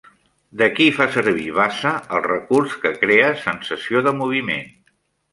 De qui fa servir Bassa el recurs que crea sensació de moviment?